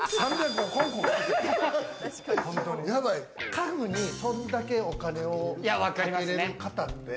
家具にそんだけお金をかけれる方って。